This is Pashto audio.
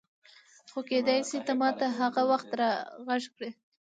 خو کېدای شي ته ما ته هغه وخت راغږ کړې.